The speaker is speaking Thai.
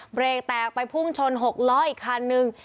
เบรกแตกไปพุ่งชน๖ล้ออีกคันนึง